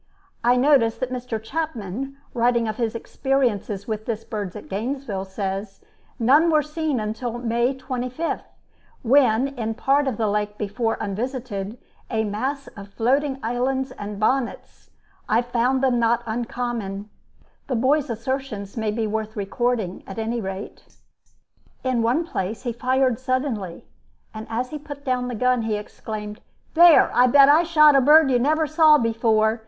I notice that Mr. Chapman, writing of his experiences with this bird at Gainesville, says, "None were seen until May 25, when, in a part of the lake before unvisited, a mass of floating islands and 'bonnets,' I found them not uncommon." The boy's assertions may be worth recording, at any rate. In one place he fired suddenly, and as he put down the gun he exclaimed, "There! I'll bet I've shot a bird you never saw before.